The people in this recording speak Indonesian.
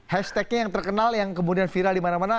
hashtagnya yang terkenal yang kemudian viral dimana mana